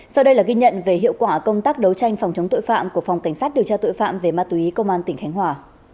sau đây là ghi nhận về hiệu quả công tác đấu tranh phòng chống tội phạm của phòng cảnh sát điều tra tội phạm về ma túy công an tỉnh khánh hòa